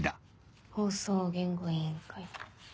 放送言語委員会。